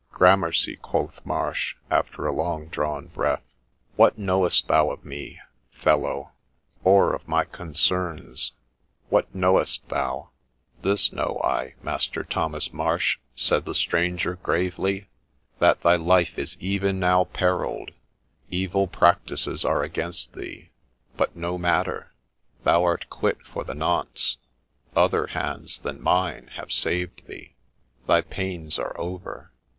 4 Grammercy,' quoth Marsh, after a long drawn breath, 4 what knowest thou of me, fellow, or of my concerns ? What knowest thou ' 4 This know I, Master Thomas Marsh,' said the stranger, gravely, 4 that thy life is even now perilled, evil practices are against thee ; but no matter, thou art quit for the nonce—other hands than mine have saved thee ! Thy pains are over.